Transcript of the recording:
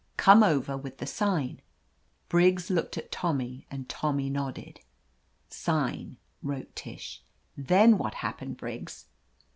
Come over with the sign !'" Briggs k)oked at Tommy and Tommy nod ded. "Sign," wrote Tish. "Then Vhat happened, Briggs?"